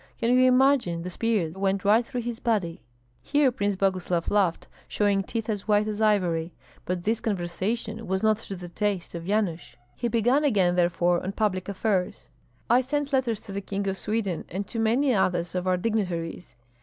Can you imagine, the spear went right through his body." Here Prince Boguslav laughed, showing teeth as white as ivory. But this conversation was not to the taste of Yanush; he began again therefore on public affairs. "I sent letters to the King of Sweden, and to many others of our dignitaries.